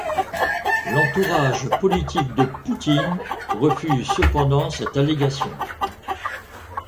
L'entourage politique de Poutine réfute cependant cette allégation.